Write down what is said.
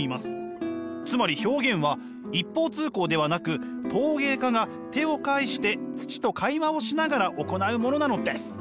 つまり表現は一方通行ではなく陶芸家が手を介して土と会話をしながら行うものなのです。